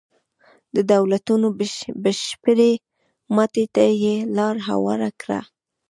د دولتونو بشپړې ماتې ته یې لار هواره کړه.